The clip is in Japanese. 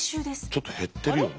ちょっと減ってるよね。